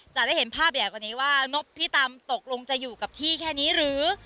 จะได้เห็นภาพใหญ่กว่านี้ว่านบพี่ตำตกลงจะอยู่กับที่แค่นี้หรือ